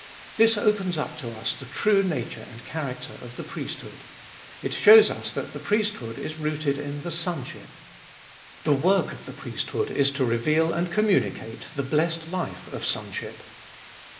This opens up to us the true nature and character of the priesthood. It shows us that the priesthood is rooted in the sonship : the work of the priesthood is to reveal and communicate the blessed life of sonship.